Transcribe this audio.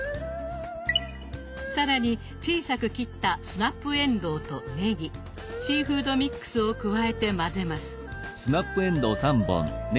更に小さく切ったスナップえんどうとねぎシーフードミックスを加えて混ぜます。